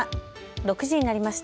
６時になりました。